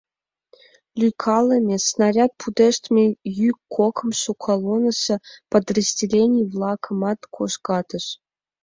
Лӱйкалыме, снаряд пудештылме йӱк кокымшо колоннысо подразделений-влакымат кожгатыш.